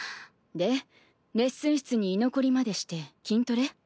でレッスン室に居残りまでして筋トレ？